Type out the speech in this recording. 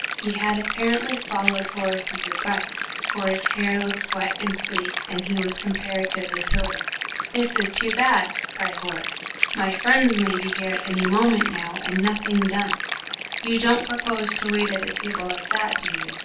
He had apparently followed Horace's advice, for his hair looked wet and sleek, and he was comparatively sober. "This is too bad!" cried Horace; "my friends may be here at any moment now and nothing done. You don't propose to wait at table like that, do you?"